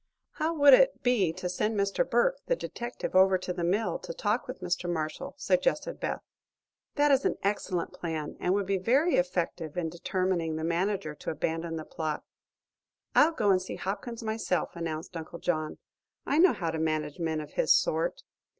"How would it be to send Mr. Burke, the detective, over to the mill to talk with Mr. Marshall?" suggested Beth. "That is an excellent plan, and would be very effective in determining the manager to abandon the plot." "I'll go and see Hopkins myself," announced Uncle John. "I know how to manage men of his sort."